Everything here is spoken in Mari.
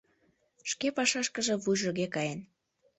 Шке пашашкыже вуйжыге каен.